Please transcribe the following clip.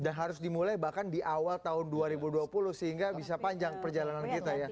dan harus dimulai bahkan di awal tahun dua ribu dua puluh sehingga bisa panjang perjalanan kita ya